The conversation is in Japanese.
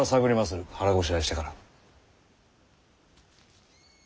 腹ごしらえしてから。